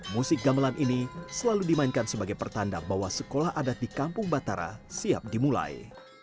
musik gamelan ini selalu dimainkan sebagai pertanda bahwa sekolah adat di kampung batara siap dimulai